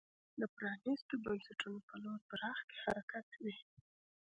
د پرانیستو بنسټونو په لور پراخ حرکت وي.